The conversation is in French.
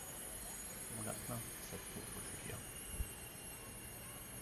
On la plaint, cette pauvre Julia.